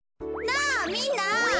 なあみんな！